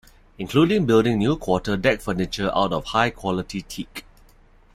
Including building new quarter deck furniture out of high quality teak.